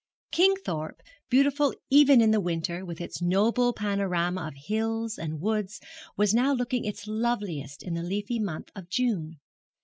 Kingthorpe, beautiful even in the winter, with its noble panorama of hills and woods, was now looking its loveliest in the leafy month of June.